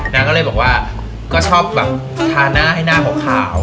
นางก็เลยบอกว่าก็ชอบแบบทาหน้าให้หน้าขาว